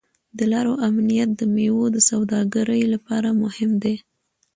د لارو امنیت د میوو د سوداګرۍ لپاره مهم دی.